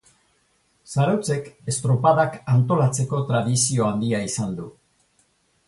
Zarautzek estropadak antolatzeko tradizio handia izan du.